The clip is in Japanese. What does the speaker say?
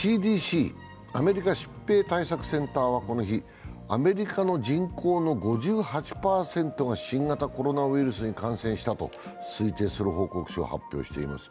ＣＤＣ＝アメリカ疾病対策センターはこの日、アメリカの人口の５８％が新型コロナウイルスに感染したと推定する報告書を発表しています。